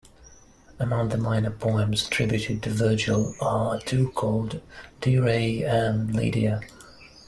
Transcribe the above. Among the minor poems attributed to Virgil are two called "Dirae" and "Lydia".